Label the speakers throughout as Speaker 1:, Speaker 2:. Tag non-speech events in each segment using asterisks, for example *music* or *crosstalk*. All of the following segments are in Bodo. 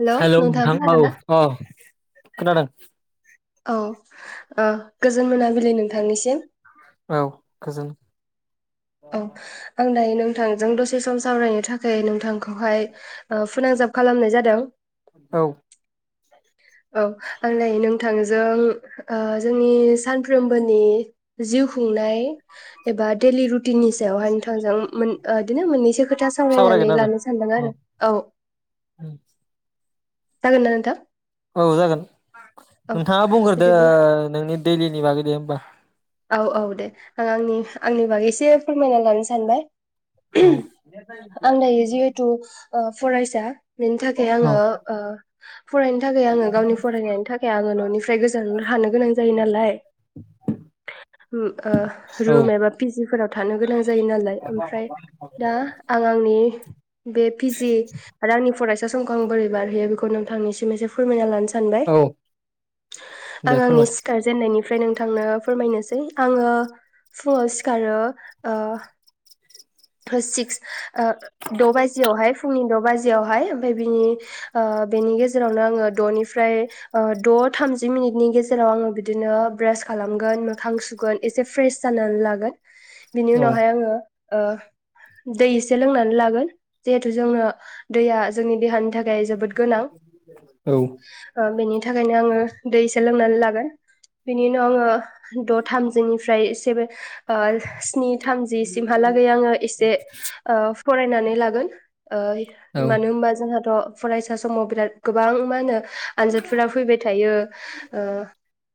Speaker 1: हेलौ
Speaker 2: हेलोव
Speaker 1: नोंथाङा
Speaker 2: नोंथां औ
Speaker 1: खोनादोंना?
Speaker 2: औ खोनादों
Speaker 1: औ ओ गोजोन मोनाबिलि नोंथांनिसिम।
Speaker 2: औ गोजोन
Speaker 1: औ आं दायो नो नोंथांजों दसे सम सावरायनो थाखाय नों थांखौहाय फोनांजाब खालामनाय जादों।
Speaker 2: औ
Speaker 1: औ आंलाय नोंथांजों ओ जोंनि सानफ्रोमबोनि जिउ खुंनाय एबा दैलि रु नि सायाहाव नोंथांजों बिदिनो मोननैसो खोथा
Speaker 2: सावरायगोन
Speaker 1: सावरायनानै
Speaker 2: आरो
Speaker 1: लानो सानदों आरो औ जागोनना नोंथां
Speaker 2: औ जागोन
Speaker 1: औ
Speaker 2: नोंथांङा बुंग्रोदो
Speaker 1: बिदिब्ला
Speaker 2: ओ नोंनि दैलिनि बागै दे होमबा
Speaker 1: औ औ दे आं आंनि आंनि बागै एसे फोरमायना लानो सानबाय
Speaker 2: औ
Speaker 1: आं दायो जिहेथु ओ फरायसा बेनि थाखाय
Speaker 2: औ
Speaker 1: आंङो ओ फरायनो थाखाय आंङो गावनि फरायनायनि थाखाय आंङो न'निफ्राय गोजान हानो गोनां जायो नालाय ओ
Speaker 2: औ
Speaker 1: रुम एबा पिजिफोराव थानो गोनां जायो नालाय ओमफ्राय दा आं आंनि बे पिजि आरो आंनि फरायसा समखौ आं बोरै बारहयो बेखौ नोंथांनिसिम एसे फोरमायना लानो सानबाय
Speaker 2: औ दे
Speaker 1: आं आंनि
Speaker 2: फोरमाय
Speaker 1: सिखार जेननायनिफ्राय नोंथांनो फैनोसै आंङो फुङाव सिखारो ओ सिक्स ओ द बाजियावहाय फुंनि द बाजियावहाय ओमफाय बिनि ओ बेनि गेजेरावनो आंङो द निफ्राय ओ द थामजि मिनिटनि गेजेराव आंङो बिदिनो ब्रास खालामगोन मोखां सुगोन एसे फ्रेश जानानै लागोन बिनि
Speaker 2: औ
Speaker 1: उनावहाय आंङो ओ दै एसे लोंनानै लागोन जिहेतु जोंङो दैया जोंनि देहानि थाखाय थाखाय जोबोद गोनां
Speaker 2: औ
Speaker 1: ओ बेनि थाखायनो आंङो दैसो लोंनानै लागोन बिनि उनाव आंङो द थामजिनिफ्राय सेभेन स्नि थामजि सिमहालागै आंङो एसे ओ फरायनानै लागोन ओ
Speaker 2: औ
Speaker 1: मानो होनबा जोंहाथ फरायसा समाव बिराद गोबां मा होनो आनजादफोरा फैबाय थायो ओ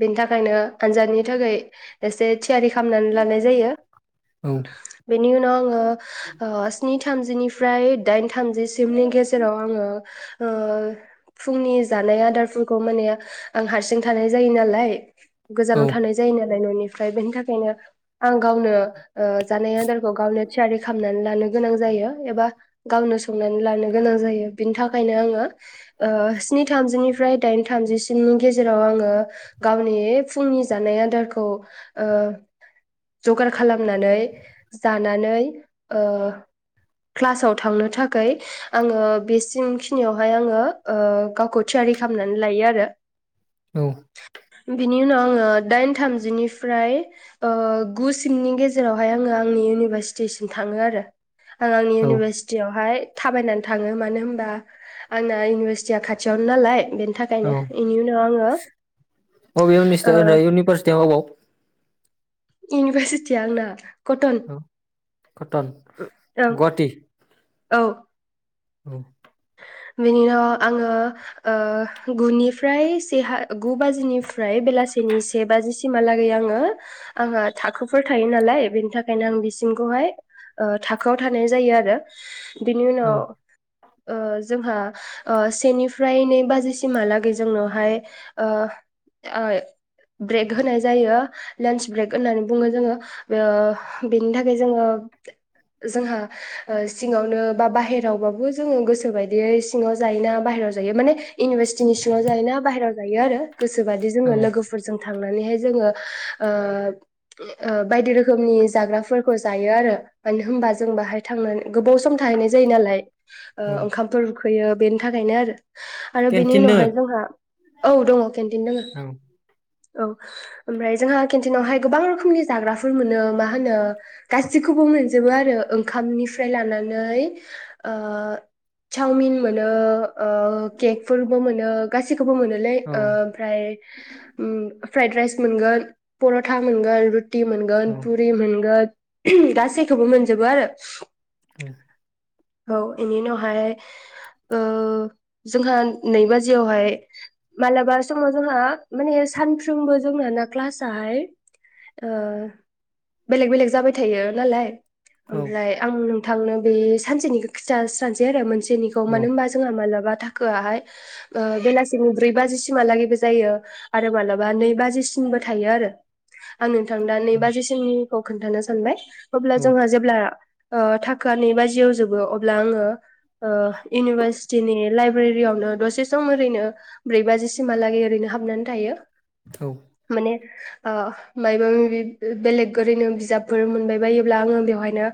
Speaker 1: बेनि थाखायनो आनजादनि थाखाय एसे थियारि खालामनानै लानाय जायो बेनि उनाव आं ओ स्नि थामजिनि फ्राय दाइन थामजिसिमनि गेजेराव आंङो ओ फुंनि जानाय आदारफोरखौ माने आं हारसिं थानाय जायो नालाय
Speaker 2: औ
Speaker 1: गोजानाव थानाय जायो नालाय न'निफ्राय बेनि थाख खायनो आं गावनो ओ जानाय आदारखौ गावनो रो खालामनानै लानो गोनां जायो। एबा गाव नो संनानै लानो गोनां जायो बिनि थाखायनो आंङो स्नि थामजिनिफ्राय दाइन थामजिसिमनि गेजेराव आंङो गावनि फुंनि जानाय आदारखौ ओ जगार खालामनानै जानानै ओ क्लासाव थांनो थाखाय आंङो बेसिम खिनियावहाय आंङो गावखौ थियारि खालामनानै लायो आरो।
Speaker 2: औ
Speaker 1: बिनि उनाव आंङो दाइन थामजिनिफ्राय ओ गु सिमनि गेजेरावहाय आंङो आंनि इउनिभार स्टीसिम थांङो आरो। आं आंनि इउनिभारसिटि यावहाय थाबायनानै थांङो मानो होनबा आंना इउनिभारसिटिया खाथियावनो नालाय बेनि थाखायनो
Speaker 2: औ
Speaker 1: बेनि उनाव आङो
Speaker 2: अबे
Speaker 1: ओ
Speaker 2: इउनिसदा-इउनिभारसिटियाव अबाव
Speaker 1: इउनिभारसिटि आं ना
Speaker 2: औ कटन
Speaker 1: ओं
Speaker 2: गुवाहाटि?
Speaker 1: औ
Speaker 2: औ
Speaker 1: बेनि उनाव आंङो ओ गुनिफ्राय से ह गु बाजिनिफ्राय बेलासिनि से बाजिसिमहालागै आंङो आंहा थाखोफोर थायो नालाय बेनि थाखायनो आं बिसिमखौहाय थाखोआव थानाय जायो आरो। बिनि
Speaker 2: औ
Speaker 1: उनाव ओ जोंहा ओ से निफ्राय नै बाजिसिमहालागै जोंनावहाय ओ आ ब्रेक होनाय जायो, लेन्च ब्रेक होननानै बुंङो। जोंङो बे-यो थाखाय जोंङो जोंहा ओ सिंङावनो बा बाहेराव बाबो जोंङो गोसो बायदियै सिंङाव जायोना बाहहेरायाव जायो माने इउनिभारसिटिनि सिंङाव जायोना बाहहेरायाव जायो आरो। गोसोबादि
Speaker 2: औ
Speaker 1: जोंङो लोगोफोरजों थांनानैहाय जोंङो ओ बायदि रोखोमनि जाग्राफोरखौ जायो आरो मानो होनबा जों बाहाय थांनानै गोबाव सम थाहैनाय जायो नालाय ओ
Speaker 2: औ
Speaker 1: ओंखामफोर फैयो बेनि थाखायनो आरो। आरो बेनि
Speaker 2: केन्टिन दोङो
Speaker 1: उनावहाय जोंहा औ दंङ। केन्टिन दंङ।
Speaker 2: औ
Speaker 1: औ ओमफ्राय जोंहा केन्टिनावहाय गोबां रोखोमनि जाग्राफोर मोनो मा होनो गाससिखौबो मोनजोबो आरो ओंखामनिफ्राय लानानै ‌ ओ चावमिन मोनो केक फोरबो मोनो गासै खौबो मोनोलै
Speaker 2: औ
Speaker 1: ओ ओमफ्राय फ्राइद राइस मोनगोन पर'था मोनगोन रु थि
Speaker 2: औ
Speaker 1: मोनगोन फुरि मोनगोन गासैखौबो मोनजोबो आरो
Speaker 2: औ
Speaker 1: औ बेनि उनावहाय ओ जोंहा नै बाजियावहाय मालाबा समाव जोंहा माने सानफ्रोमबो जोंना ना क्लास आहाय ओ बेलेग बेलेग जाबाय थायो नालाय
Speaker 2: औ
Speaker 1: ओमफ्राय आं थांनो बे सानसेनि खिथा स्रानोसै आरो मोनसे जोंनिखौ
Speaker 2: औ
Speaker 1: मानो होनबा जोंहा मालाबा थाखोआहाय ओ बेलासिनि ब्रै बाजिसिमहालागैबो जायो आरो मालाबा नै बाजिसिमबो थायो आरो आं नोंथां दा नै बाजिसिमनि औ खोन्थानो सानबाय अब्ला जोंहा जेब्ला ओ थाखोआ नै बाजियाव जोबो अब्ला आंङो ओ इउनिभारसिटिनि लाइब्रेरियावनो दसे सम ओरैनो ब्रै बाजिसिमहालागै ओरैनो हाबनानै थायो माने ओ मायबा माबि बेलेग ओरैनो बिजाबफोर मोनबाय बायोब्ला आंङो बेवहायनो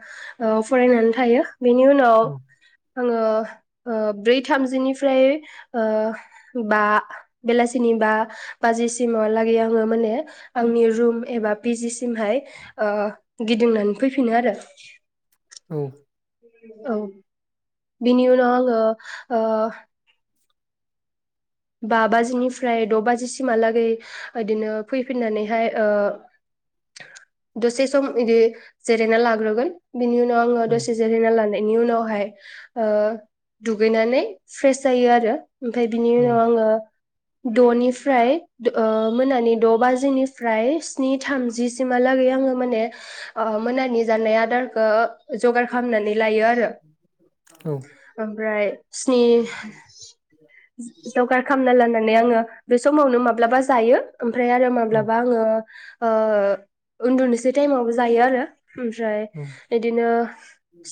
Speaker 1: ओ फरायनानै थायो बेनि उनाव आंङो ओ ब्रै थामजिनिफ्राय ओ बा बेलासिनि बा बाजिसिमहालागै आंङो माने आंनि रुम एबा पि जि सिमहाय ओ गिदिंनानै फैफिनो आरो
Speaker 2: औ
Speaker 1: औ बिनि उनाव आंङो ओ बा बाजिनिफ्राय द बाजिसिमहालागै बिदिनो फैफिननानैहाय ओ दसे सम बिदि जिरायना लाग्रोगोन बिनि उनाव आंङो
Speaker 2: औ औ
Speaker 1: दसे जिरायना लानायनि उनावहाय ओ दुगैनानै फ्रेस जायो आरो ओमफ्राय बिनि
Speaker 2: औ
Speaker 1: उनाव दफ्राय ओ मोनानि द बाजिनिफ्राय स्नि थामजिसिमहालागै आंङो माने ओ मोनानि जानाय आदारखौ जगार खालामनानै लायो आरो
Speaker 2: औ
Speaker 1: ओमफ्राय स्नि खालामना लानानै आंङो बे समाव माब्लाबा जायो ओमफ्राय आरो
Speaker 2: औ
Speaker 1: माब्लाबा आंङो ओ उन्दुनोसै टाइमावबो जायो आरो ओमफ्राय बिदिनो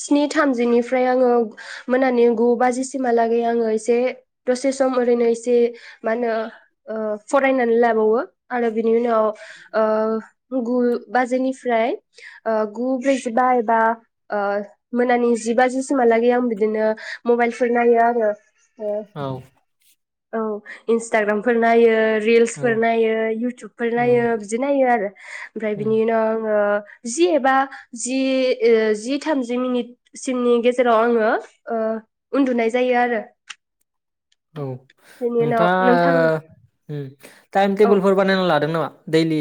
Speaker 1: स्नि थामजिनिफ्राय ओमफ्राय आंङो मोनानि गु बाजि बिसिमहालाै आंङो एसे दसे सम ओरैनो एसे मा होनो ओ फरायनानै लाबावो आरो बिनि उनाव ओ गु बाजिनिफ्राय गु ब्रैजिबा एबा ओ मोनानि जि बाजिसिमहालागै आं बिदिनो मबाइल फोर नायो आरो ओ
Speaker 2: औ
Speaker 1: औ इन्टाग्राम फोर नायो
Speaker 2: औ
Speaker 1: रिल्सफोर नायो इउटुबफोर
Speaker 2: औ
Speaker 1: नायो बिदि नायो आरो ओमफ्राय
Speaker 2: औ
Speaker 1: बिनि उनाव आंङो जि एबा जि जि थामजि मिनिटसिमनि गेजेराव आङो उन्दुनाय जायो आरो
Speaker 2: औ
Speaker 1: बेनि उनाव
Speaker 2: नोंथाङा
Speaker 1: नोंथांनि
Speaker 2: उम टाइम
Speaker 1: औ
Speaker 2: टेबोलफोर बानायना लादों नामा? दैलि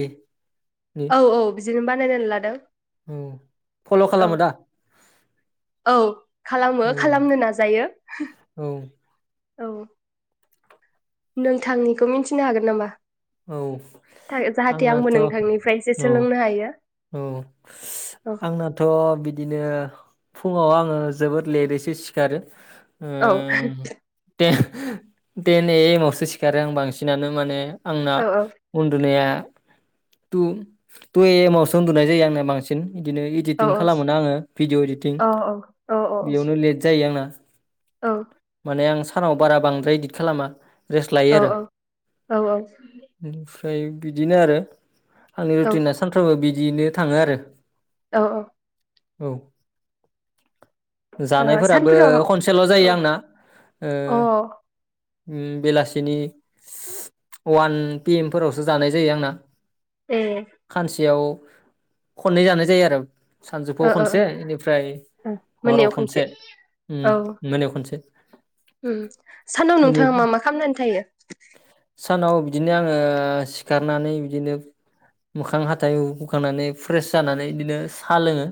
Speaker 1: औ औ बिदिनो बानायनानै लादों।
Speaker 2: औ फल'
Speaker 1: औ
Speaker 2: खालामो दा
Speaker 1: औ खालामो
Speaker 2: औ
Speaker 1: खालामनो नाजायो।
Speaker 2: औ
Speaker 1: औ नोंथांनिखौ मिथिनो हागोन नामा?
Speaker 2: औ
Speaker 1: जाहाथे आंबो
Speaker 2: आंनाथ'
Speaker 1: नोंथांनिफ्रायसो
Speaker 2: औ
Speaker 1: सोलोंनो हायो।
Speaker 2: औ
Speaker 1: औ
Speaker 2: आंनाथ' बिदिनो फुङाव आङो जोबोद लेटैसो सिखारो। ओ
Speaker 1: औ
Speaker 2: दे तेन ए एम आवसो सिखारो आं बांसिनानो माने आंना
Speaker 1: औ
Speaker 2: उन्दुनाया टू टू एम आव सो उन्दुनाय जायो आंनो बांसिन। बिदिनो
Speaker 1: औ
Speaker 2: इडिटिं खालामो ना आङो भिडिअ इडिटिं
Speaker 1: औ औ औ
Speaker 2: बेयावनो लेट जायो आंना।
Speaker 1: औ।
Speaker 2: माने आं सानाव बारा बांद्राय इदित खालामा।् रेस्ट लायो आरो।
Speaker 1: औ औ औ
Speaker 2: ओमफाय बिदिनो आरो आंनि
Speaker 1: औ
Speaker 2: रुटिना सानफ्रोमबो बिद दिनो थाङो आरो।
Speaker 1: औ औ
Speaker 2: औ
Speaker 1: ओ
Speaker 2: जानायफोराबो
Speaker 1: सानफोराव
Speaker 2: खनसेल'
Speaker 1: औ
Speaker 2: जायो आं
Speaker 1: अ
Speaker 2: उम बेलासिनि वान पि एम फोरावसो जानाय जायो आंना।
Speaker 1: ए
Speaker 2: खानसेयाव खननै जानाय जायो आरो
Speaker 1: ओ
Speaker 2: सानजौफुआव
Speaker 1: ओ ओ
Speaker 2: खनसे एनिफ्राय
Speaker 1: ओ
Speaker 2: हराव
Speaker 1: मोनायाव
Speaker 2: खनसे उम
Speaker 1: औ
Speaker 2: मोनायाव खनसे। ए। *inaudible*
Speaker 1: उम सानाव नोंथाङा मा मा खालामनानै थायो?
Speaker 2: सानाव बिदिनो आंङो सिखारनानै बिदिनो मोखां हाथाइ हु-हुखांनानै फ्रेस जानानै बिदिनो साह लोंङो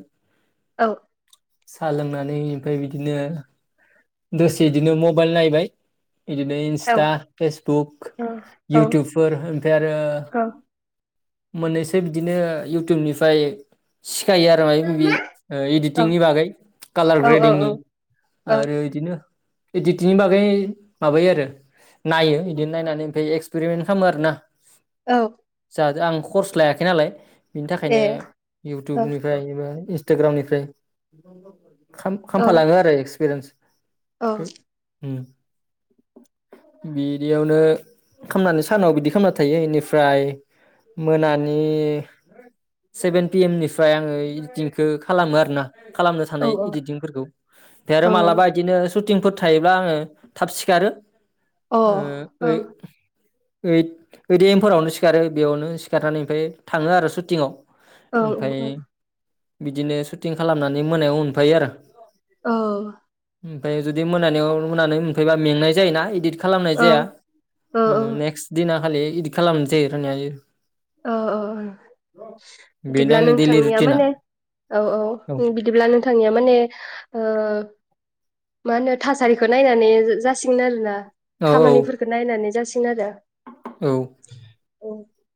Speaker 1: औ।
Speaker 2: सा लोंनानै ओमफ्राय बिदिनो दसे इदिनो मबाइल नायबाय। बिदिनो
Speaker 1: औ
Speaker 2: इन्स्टा फेसबुक
Speaker 1: औ औ
Speaker 2: इउटुबफोर ओमफ्राय आरो
Speaker 1: औ
Speaker 2: मोननैसो बिदिनो इउटुबनिफ्राय स सिखायो आरो मायब-मायबि
Speaker 1: औ
Speaker 2: इडिटिंनि बागै कालार
Speaker 1: औ
Speaker 2: ग्रेडिंनि
Speaker 1: औ
Speaker 2: आरो इदिनो इडितिंनि बागै माबायो आरो। नायो इदिनो नायनानै ओमफाय एक्सपेरिमेन्ट खामो आरोना
Speaker 1: औ।
Speaker 2: आरो आं कर्स लायाखै नालाय। बिनि थाखायनो
Speaker 1: ए औ
Speaker 2: इउटुबनिफ्राय एबा इस्टाग्रामनिफ्राय *inaudible*
Speaker 1: औ
Speaker 2: खाम-खामफा लांङो आरो एक्सपिरियेन्स
Speaker 1: औ
Speaker 2: उम बिदियावनो खामनानै सानाव बिदि खामना थायो इनिफ्राय मोनानि सेभेन पि एम निफ्राय आंङो इदिटिंखौ खालामो आरो ना। खालामनो थानाय
Speaker 1: औ अ
Speaker 2: इदिटिंफोरखौ बे आरो
Speaker 1: औ
Speaker 2: मालाबा इदिनो सुटिंफोर थायोब्ला आंङो थाब सिखारो। ओ
Speaker 1: औ
Speaker 2: ओइ ओइद ओइद ए म फोरावनो सिखारो बेयावनो सिखारनानै ओमफ्राय थांङो आरो सुटिंङाव।
Speaker 1: औ औ औ
Speaker 2: बिदिनो सुटिं खालामनानै मोनायाव मोनफायो आरो।
Speaker 1: औ
Speaker 2: ओमफ्राय जुदि मोनायाव मोना मोनफैबा मेंनाय जायोना इदिट खालामनाय जाया
Speaker 1: औ
Speaker 2: उम नेक्स्ट दिना खालि इदिट खालामनोसै *unintelligible*
Speaker 1: औ औ
Speaker 2: बेनो
Speaker 1: बिदिब्ला
Speaker 2: आंनि दैलि
Speaker 1: नोंथांनिया
Speaker 2: रुटिना
Speaker 1: माने औ औ बिदिब्ला नों नोंथांनिया माने ओ मा होनो थासारिखौ नायनानै जासिगोन आरोना
Speaker 2: औ
Speaker 1: खामानिफोरखौ
Speaker 2: औ
Speaker 1: नायनानै जासिग गोन आरो
Speaker 2: औ
Speaker 1: औ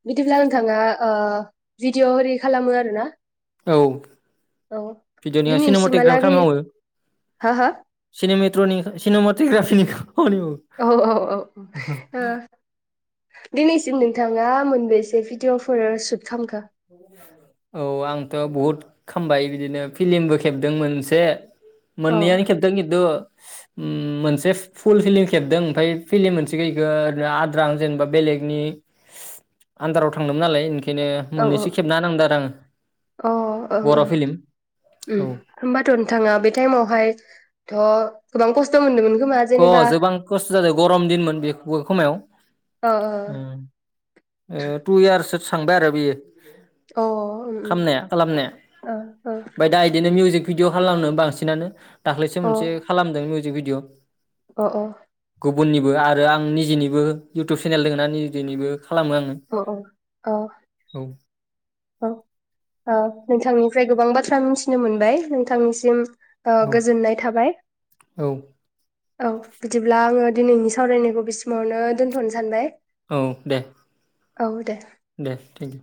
Speaker 1: बिदिब्ला नोंथाङा ओ भिडिअ ओरि खालामो आरो ना
Speaker 2: औ भिडिअनिया सिनेमटेग्रा खाम
Speaker 1: दिनैसिमहालागै
Speaker 2: मावो।
Speaker 1: हा हा
Speaker 2: सिनेमेट टनि सिनेमटेग्राफिनि खा
Speaker 1: औ औ औ ओ दिनैसिम नोंथाङा मोनबेसे भिडियफोर सु
Speaker 2: औ आंथ बहुत खामबाय बिदिनो फिलिमबो खेबदों मोनसे
Speaker 1: औ
Speaker 2: मोननैयानो खेबदों किन्तु ओम मोनसे फुल फिलिम खेबदों ओमफाय फिलिम मोनसे यैखो ओरै आद्रा जेनेबा बेलेगनि आन्दाराव थांदोंमोन नालाय ओंखायनो
Speaker 1: औ औ अ
Speaker 2: मोननैसो खेबना नांदों आरो आङो
Speaker 1: औ औ
Speaker 2: बर' फिल्म औ
Speaker 1: होनबाथ‌ नोंथाङा बे टाइमावहाय थ गोबां खस्थ मोनदोंमोन खोमा
Speaker 2: अ
Speaker 1: जेनेबा
Speaker 2: जोबां खस्थ जादों गरम दिनमोन बे खमायाव ओ टु इयार सो थांबाय आरो बियो
Speaker 1: ओ अ उम
Speaker 2: खामनाया खालामनाया
Speaker 1: उम
Speaker 2: *unintelligible* दा इदिनो मिउजिक भिदिअ खालामनो बांसिनानो दाख्लैसो
Speaker 1: ओ
Speaker 2: मोनसे खालामदों मिउिक बि *unintelligible*
Speaker 1: अ औ।
Speaker 2: गुबुननिबो आरो आं निजेनिबो इउटुब चेनेल दोंना निजेनिबो खालामो आंङो
Speaker 1: अ अ
Speaker 2: औ *inaudible*
Speaker 1: औ औ नोंथांनिफ्राय गोबां बाथ्रा मिथिनो मोनबाय नोंथांनिसिम ओ
Speaker 2: औ
Speaker 1: गोजोननाय थाबाय
Speaker 2: औ
Speaker 1: औ बिदिब्ला आंङो दिनैनि सावरायनायखौ बेसिमावनो दोन्थनो सानबाय।
Speaker 2: औ दे
Speaker 1: औ दे।
Speaker 2: दे थेंक इउ।